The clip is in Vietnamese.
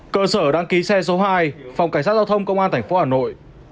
cơ sở đăng ký xe số hai phòng cảnh sát giao thông công an tp hà nội